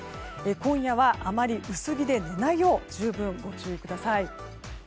今夜は、あまり薄着で寝ないよう十分ご注意ください。